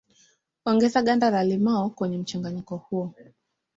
Ongeza ganda la limao kwenye mchanganyiko huo